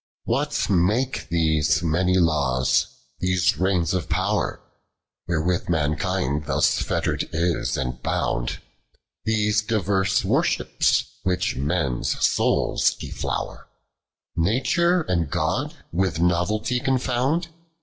J. HAT make these many laws, these rains* of Pow^r AVhercwith mankind thus fcttei'd is and bound ; These divers worships, which men's souls deflower; Nature and God, with novelty confound